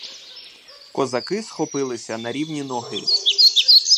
Козаки схопилися на рівні ноги.